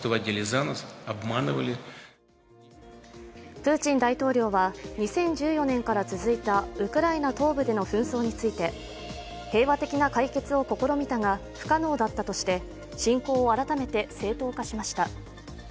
プーチン大統領は２０１４年から続いたウクライナ東部での紛争について、平和的な解決を試みたが不可能だったとして侵攻を改めて正当化しました。